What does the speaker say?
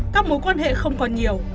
các mối quan hệ không còn nhiều